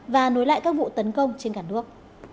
và nối lại các vụ tấn công trên cả nước